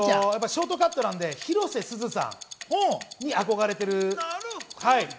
ショートカットなんで、広瀬すずさんに憧れている。